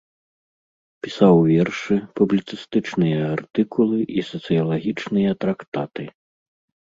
Пісаў вершы, публіцыстычныя артыкулы і сацыялагічныя трактаты.